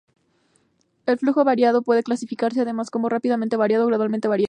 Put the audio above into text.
El flujo variado puede clasificarse, además, como rápidamente variado o gradualmente variado.